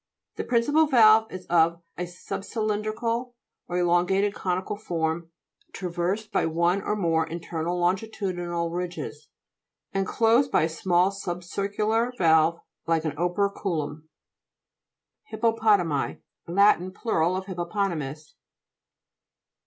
The principal valve is of a sub cylindrical or elongated, co nical form, traversed by one or more internal longitudinal ridges, and closed by a small sub circular valve like an operculum (p. 68). HIPPOPO'TOMI Lat. Plur. of hippo potamus.